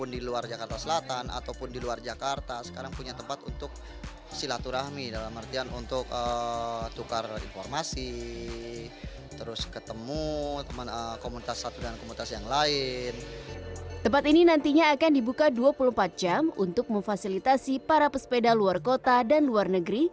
di tempat ini nantinya akan dibuka dua puluh empat jam untuk memfasilitasi para pesepeda luar kota dan luar negeri